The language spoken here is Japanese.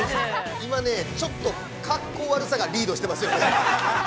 ◆今ねちょっと格好悪さがリードしてますよね。